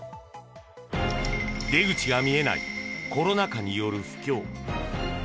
出口が見えないコロナ禍による不況。